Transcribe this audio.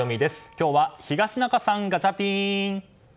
今日は東中さん、ガチャピン！